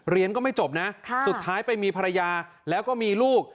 เรียนก็ไม่จบนะสุดท้ายไปมีภรรยาแล้วก็มีลูก